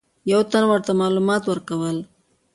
یو تن ورته معلومات ورکول.